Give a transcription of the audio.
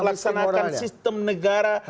melaksanakan sistem negara